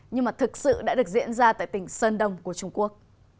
nhưng mà thực sự đã được diễn ra tại tỉnh sơn đông của trung quốc